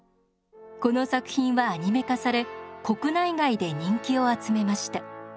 この作品はアニメ化され国内外で人気を集めました。